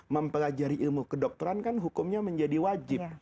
mempelajari ilmu kedokteran kan hukumnya menjadi wajib